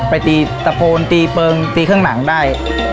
ไปตีตะโพนตีเปิงตีเครื่องหนังได้